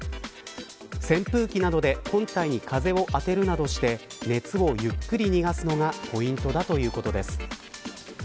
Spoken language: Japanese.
扇風機などで本体に風を当てるなどして熱をゆっくり逃がすのがポイントだということです。